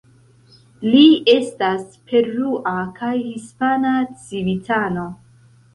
Li estas perua kaj hispana civitano.